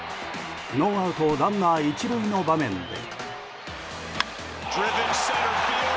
ノーアウトランナー１塁の場面で。